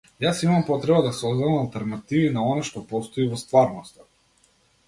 Јас имам потреба да создавам алтернативи на она што постои во стварноста.